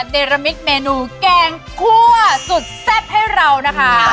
เดรมิตเมนูแกงคั่วสุดแซ่บให้เรานะคะ